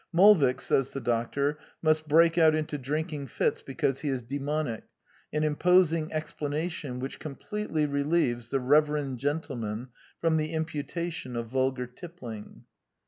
Molvik, says the doctor, must break out into drinking fits because he is daimonic, an imposing explanation which completely relieves the rever end gentleman from the imputation of vulgar tippling.